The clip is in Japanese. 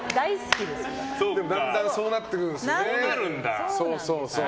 でも、だんだんそうなってくるんでうすよね。